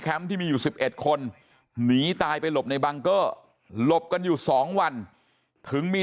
ที่มีอยู่๑๑คนหนีตายไปหลบในบังเกอร์หลบกันอยู่๒วันถึงมี